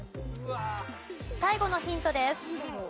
最後のヒントです。